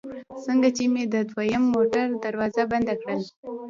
څنګه چې مې د دوهم موټر دروازه بنده کړل.